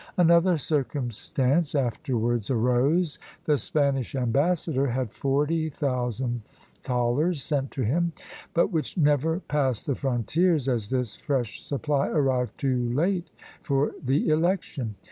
Another circumstance afterwards arose; the Spanish ambassador had forty thousand thalers sent to him, but which never passed the frontiers, as this fresh supply arrived too late for the election.